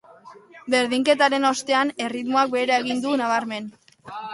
Berdinketaren ostean erritmoak behera egin du nabarmen.